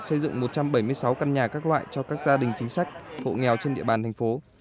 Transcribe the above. xây dựng một trăm bảy mươi sáu căn nhà các loại cho các gia đình chính sách hộ nghèo trên địa bàn thành phố